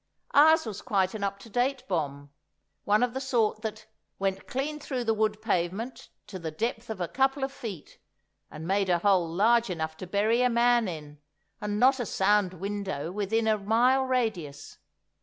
Ours was quite an up to date bomb, one of the sort that "went clean through the wood pavement to the depth of a couple of feet, and made a hole large enough to bury a man in, and not a sound window within a mile radius."